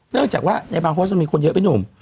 เนื่องจากว่าในบาร์โฮสจะมีคนเยอะไปหนุ่ม